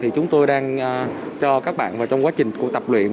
chúng tôi đang cho các bạn trong quá trình của tập luyện